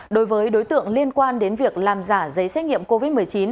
đối với đối tượng liên quan đến việc làm giả giấy xét nghiệm covid một mươi chín